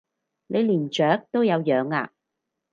你連雀都有養啊？